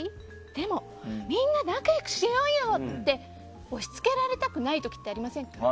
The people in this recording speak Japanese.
でも、みんな仲良くしようよって押し付けられなくない時ってありませんか。